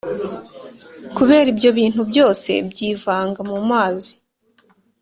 Kubera ibyo bintu byose byivanga mu mazi,